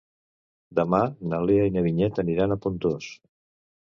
Demà na Lea i na Vinyet aniran a Pontós.